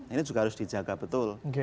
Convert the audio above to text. ini juga harus dijaga betul